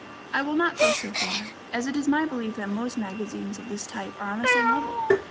I will not go quite so far, as it is my belief that most magazines of this type are on the same level.